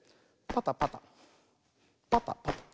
パタパタパタパタ。